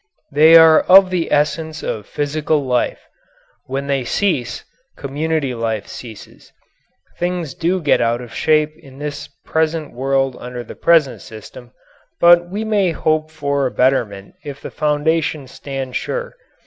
They are of the essence of physical life. When they cease, community life ceases. Things do get out of shape in this present world under the present system, but we may hope for a betterment if the foundations stand sure.